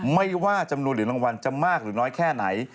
ไม่ว่าจำนวนเหรียญรางวัลจะมากหรือน้อยแค่ไหน